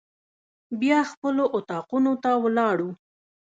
بیا خپلو اطاقونو ته ولاړو.